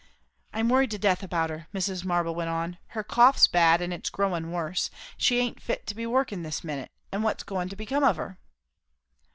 "I'm worried to death about her," Mrs. Marble went on. "Her cough's bad, and it's growin' worse; and she aint fit to be workin' this minute. And what's goin' to become of her?"